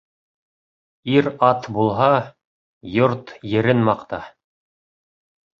Ир-ат булһа, йорт-ерен маҡта